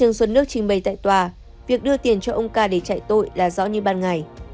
trương xuân nước trình bày tại tòa việc đưa tiền cho ông ca để chạy tội là rõ như ban ngày